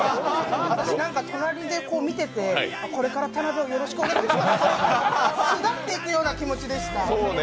隣で見てて、これから田辺をよろしくお願いしますって巣立っていくような気持ちでした。